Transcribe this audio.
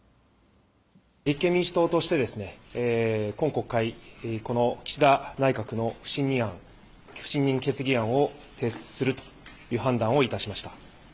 立憲民主党として今国会、岸田内閣の不信任案、不信任決議案を提出するという判断をいたしました。